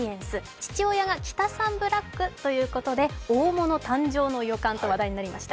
父親がキタサンブラックということで大物誕生の予感と話題になりました。